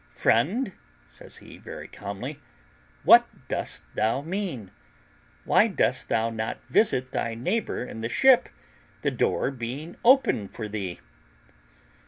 "Friend," says he, very calmly, "what dost thou mean? Why dost thou not visit thy neighbour in the ship, the door being open for thee?"